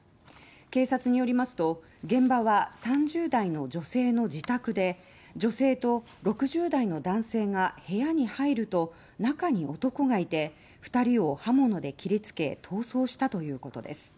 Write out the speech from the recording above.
警察によりますと現場は３０代の女性の自宅で女性と６０代の男性が部屋に入ると中に男がいて２人を刃物で切りつけ逃走したということです。